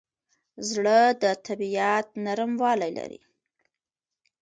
زړه د طبیعت نرموالی لري.